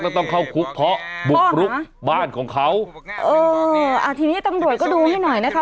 แล้วต้องเข้าคุกเพราะบุกรุกบ้านของเขาเอออ่าทีนี้ตำรวจก็ดูให้หน่อยนะคะ